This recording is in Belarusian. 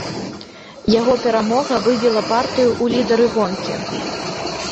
Яго перамога вывела партыю ў лідары гонкі.